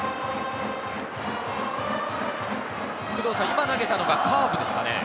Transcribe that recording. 今投げたのがカーブですかね？